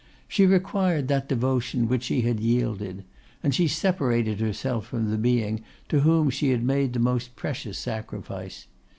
She required that devotion which she had yielded; and she separated herself from the being to whom she had made the most precious sacrifice.